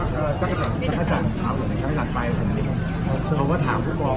อ่าจากถามข่าวต่อมานี้หลังไปตอนนี้เขาก็ถามพูดบอก